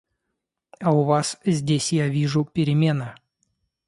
А у вас здесь, я вижу, перемена.